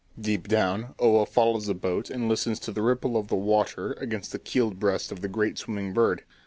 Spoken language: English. Deep down, Oa follows the boat and listens to the ripple of the water against the keeled breast of the great "swimming bird."